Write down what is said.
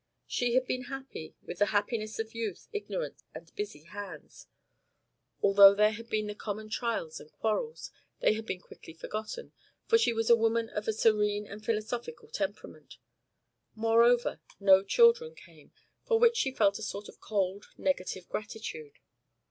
She had been happy with the happiness of youth ignorance and busy hands; although there had been the common trials and quarrels, they had been quickly forgotten, for she was a woman of a serene and philosophical temperament; moreover, no children came, for which she felt a sort of cold negative gratitude.